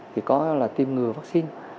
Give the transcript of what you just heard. thì có là tiêm ngừa vaccine